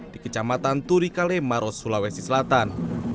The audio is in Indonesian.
di kecamatan turikale maros sulawesi selatan